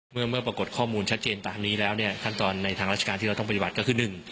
เมื่อปรากฏข้อมูลชัดเจนตามนี้แล้วเนี่ยขั้นตอนในทางราชการที่เราต้องปฏิบัติก็คือ๑